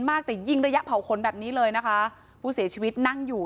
มากแต่ยิงระยะเผาขนแบบนี้เลยนะคะผู้เสียชีวิตนั่งอยู่